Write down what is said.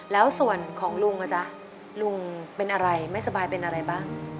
แล้วส่วนของลุงอ่ะจ๊ะลุงเป็นอะไรไม่สบายเป็นอะไรบ้าง